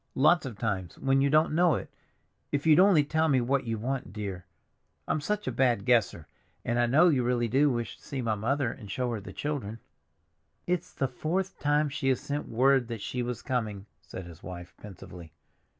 "Lots of times, when you don't know it. If you'd only tell me what you want, dear. I'm such a bad guesser. And I know you really do wish to see my mother and show her the children." "It's the fourth time she has sent word that she was coming," said his wife pensively.